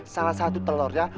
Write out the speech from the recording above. salah satu telurnya